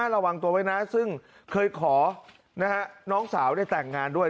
ระวังตัวไว้นะซึ่งเคยขอน้องสาวได้แต่งงานด้วย